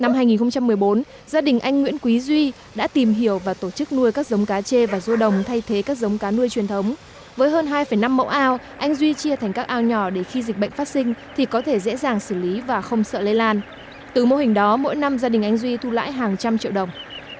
năm hai nghìn một mươi bốn gia đình anh nguyễn quý duy đã tìm hiểu và tổ chức nuôi các giống cá chê và rô đồng thay thế các giống cá nuôi truyền thống với hơn hai năm mẫu ao anh duy chia thành các ao nhỏ để khi dịch bệnh phát sinh thì có thể dễ dàng xử lý và không sợ lây lan từ mô hình đó mỗi năm gia đình anh duy thu lãi hàng trăm triệu đồng